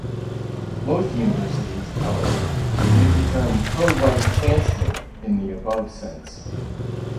Most universities, however, use the term pro-vice-chancellor in the above sense.